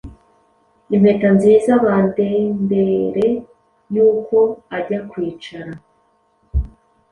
Impeta nziza-bandembere yuko ajya kwicara